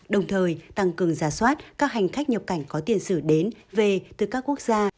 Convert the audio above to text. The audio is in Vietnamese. đồng thời tăng cường giả soát các hành khách nhập cảnh có tiền sử đến về từ các quốc gia